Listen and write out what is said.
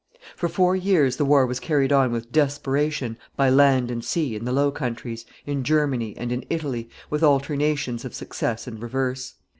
For four years the war was carried on with desperation by land and sea in the Low Countries, in Germany, and in Italy, with alternations of success and reverse.